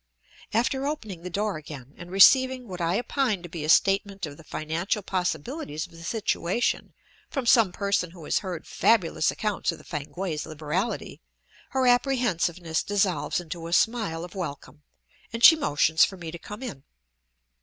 After opening the door again, and receiving what I opine to be a statement of the financial possibilities of the situation from some person who has heard fabulous accounts of the Fankwaes' liberality, her apprehensiveness dissolves into a smile of welcome and she motions for me to come in.